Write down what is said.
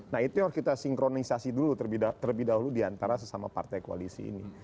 nah itu yang harus kita sinkronisasi dulu terlebih dahulu diantara sesama partai koalisi ini